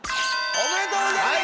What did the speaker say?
ありがとうございます。